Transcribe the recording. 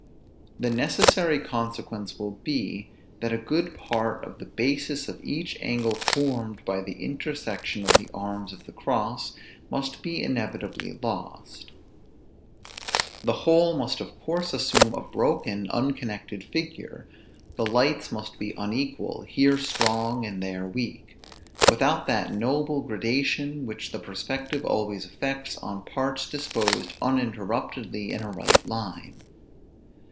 the necessary consequence will be, that a good part of the basis of each angle formed by the intersection of the arms of the cross, must be inevitably lost; the whole must of course assume a broken, unconnected figure; the lights must be unequal, here strong, and there weak; without that noble gradation which the perspective always effects on parts disposed uninterruptedly in a right line.